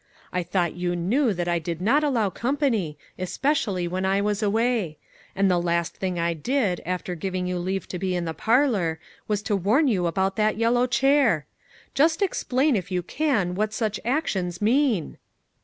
I thought you knew that I did not allow company, especially when I was away; and the last thing I did, after giving you leave to be in the parlor, was to warn you about that yellow chair! Just explain, if you can, what such actions mean."